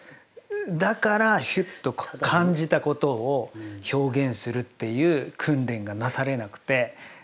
だから感じたことを表現するっていう訓練がなされなくて。